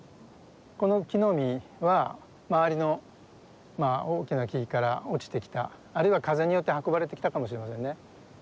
この木の実は周りの大きな木から落ちてきたあるいは風によって運ばれてきたかもしれませんね。